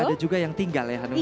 ada juga yang tinggal ya hanum